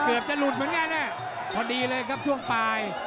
เกือบจะหลุดเหมือนกันพอดีเลยครับช่วงปลาย